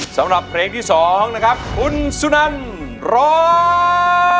สำหรับเพลงที่๒นะครับคุณสุนันร้อง